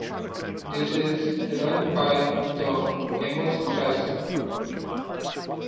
This is run by the Amos Trust.